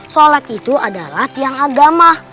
sholat itu adalah tiang agama